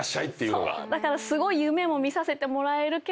だからすごい。